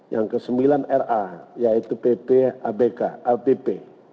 yang kesembilan ra yaitu ppabk lpp